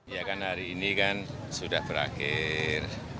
ya kan hari ini kan sudah berakhir